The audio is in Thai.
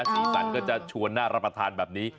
สีสันก็จะชวนน่ารับประทานแบบนี้